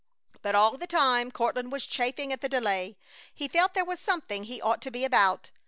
But all the time Courtland was chafing at the delay. He felt there was something he ought to be about.